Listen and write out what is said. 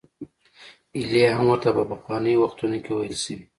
ایلیا هم ورته په پخوانیو وختونو کې ویل شوي.